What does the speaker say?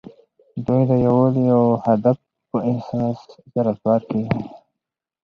دوی د یووالي او هدف په احساس سره کار کوي.